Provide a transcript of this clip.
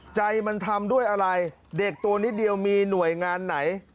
ใจมันทำด้วยอะไรเด็กตัวนิดเดียวมีหน่วยงานไหน